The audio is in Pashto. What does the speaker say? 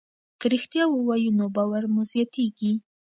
که رښتیا ووایو نو باور مو زیاتېږي.